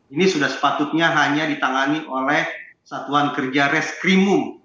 ini sudah sepatutnya hanya ditangani oleh satuan kerja reskrimum